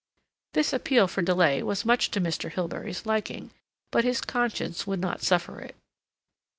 This appeal for delay was much to Mr. Hilbery's liking. But his conscience would not suffer it.